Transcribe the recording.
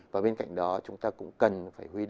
và bên cạnh đó chúng ta cũng cần phải huy động